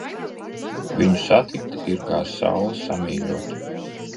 Viņu satikt ir kā sauli samīļot.